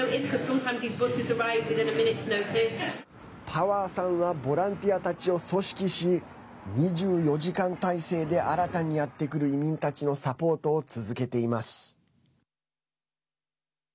パワーさんはボランティアたちを組織し２４時間体制で新たにやってくる移民たちのサポートを続けています。